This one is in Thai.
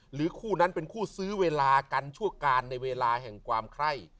คู่นั้นเป็นคู่ซื้อเวลากันชั่วการในเวลาแห่งความไคร่